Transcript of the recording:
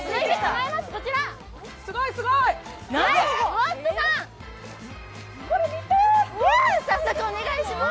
こちら、早速お願いします。